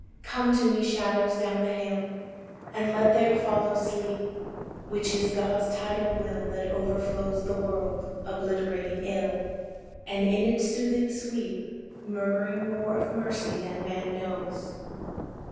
III Come to me, shadows, down the hill And let there follow Sleep, Which is God's tidal Will That overflows The world obliterating ill, And in its soothing sweep Murmuring more of mercy than man knows.